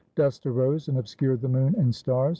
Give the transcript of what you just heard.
Dust arose and obscured the moon and stars.